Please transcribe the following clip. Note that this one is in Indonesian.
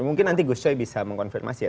mungkin nanti gus coy bisa mengkonfirmasi ya